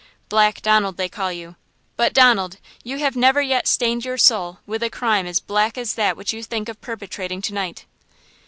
Black Donald, they call you! But, Donald, you have never yet stained your soul with a crime as black as that which you think of perpetrating to night!"